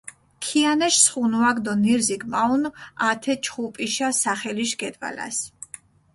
ქიანაშ სხუნუაქ დო ნირზიქ მაჸუნჷ ათე ჩხუპიშა სახელიშ გედვალას.